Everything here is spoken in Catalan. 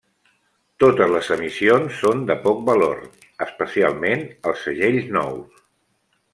Totes les emissions són de poc valor, especialment els segells nous.